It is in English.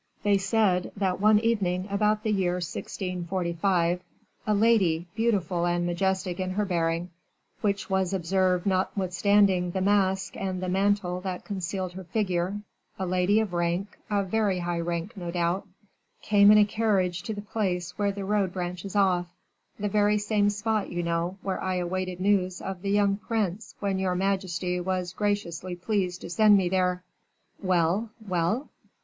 "They said, that one evening, about the year 1645, a lady, beautiful and majestic in her bearing, which was observed notwithstanding the mask and the mantle that concealed her figure a lady of rank, of very high rank, no doubt came in a carriage to the place where the road branches off; the very same spot, you know, where I awaited news of the young prince when your majesty was graciously pleased to send me there." "Well, well?"